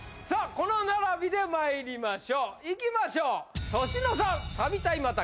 この並びでまいりましょういきましょう年